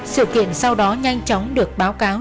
sự kiện sau đó nhanh chóng được báo cáo